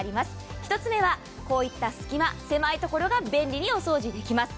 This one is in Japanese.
１つ目はこういった隙間、狭いところが便利にお掃除できます。